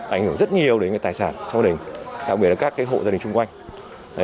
ảnh hưởng rất nhiều đến tài sản trong gia đình đặc biệt là các hộ gia đình xung quanh